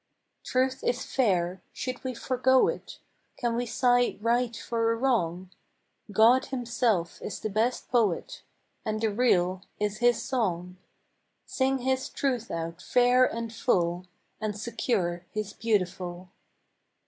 Truth is fair; should we forego it? Can we sigh right for a wrong ? God Himself is the best Poet, And the Real is His song. Sing His Truth out fair and full, And secure His beautiful.